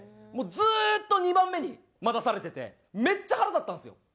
ずーっと２番目に待たされててめっちゃ腹立ったんですよ。